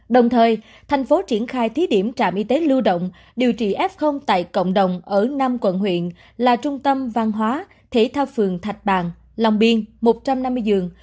đồng thời thành phố triển khai thí điểm trạm y tế lưu động điều trị f tại cộng đồng ở năm quận huyện là trung tâm văn hóa thể thao phường thạch bàn long biên một trăm năm mươi giường